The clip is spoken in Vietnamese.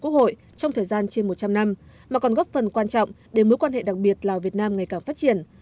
quốc hội trong thời gian trên một trăm linh năm mà còn góp phần quan trọng để mối quan hệ đặc biệt lào việt nam ngày càng phát triển